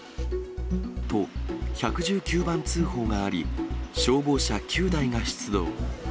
と、１１９番通報があり、消防車９台が出動。